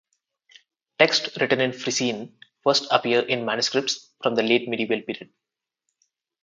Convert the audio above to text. Texts written in Frisian first appear in manuscripts from the late medieval period.